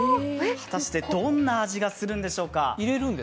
果たしてどんな味がするんでしょうか？